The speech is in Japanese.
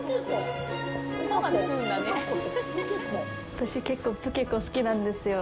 私、結構プケコ、好きなんですよ。